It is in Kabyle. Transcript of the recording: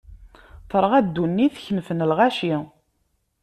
Terɣa ddunit, kenfen lɣaci.